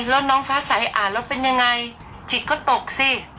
แล้วน้องฟ้าใสอ่านแล้วเป็นยังไงจิตก็ตกสิ